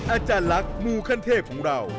อาจารย์ลักษณ์มูขั้นเทพของเรา